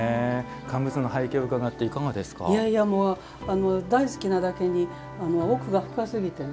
乾物の背景を伺っていやいや大好きなだけに奥が深すぎてね